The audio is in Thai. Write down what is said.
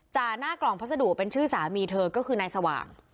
หน้ากล่องพัสดุเป็นชื่อสามีเธอก็คือนายสว่าง